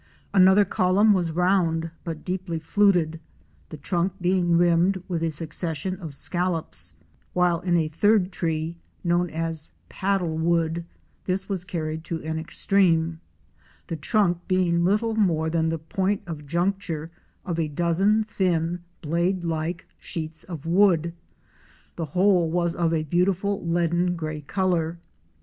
Another column was round but deeply fluted, the trunk being rimmed with a succession of scallops, while in a third tree known as Paddle wood, this was carried to an extreme, the trunk being little more than the point of juncture of a dozen thin blade like sheets of wood. The whole was of a beautiful leaden gray color.